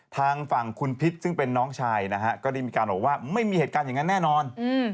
ทางฝั่งคุณพิษซึ่งเป็นน้องชายนะฮะก็ได้มีการบอกว่าไม่มีเหตุการณ์อย่างนั้นแน่นอน